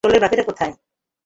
দলের বাকিরা কোথায়?